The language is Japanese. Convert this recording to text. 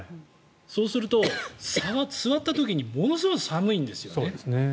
そうすると座った時にものすごい寒いんですよね。